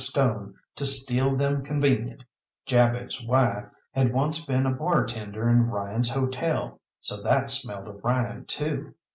Stone to steal them convenient. Jabez Y. had once been a bar tender in Ryan's hotel so that smelt of Ryan, too.